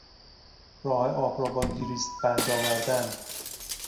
راه آب را با گریس بند آوردن